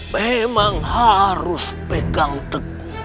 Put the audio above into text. memang harus pegang teguh